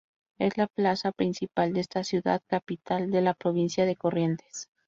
Es la plaza principal de esta ciudad, capital de la Provincia de Corrientes.